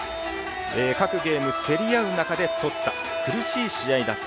各ゲーム、競り合う中で取った苦しい試合だった。